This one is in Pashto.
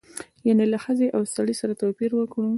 یعنې له ښځې او سړي سره توپیر وکړو.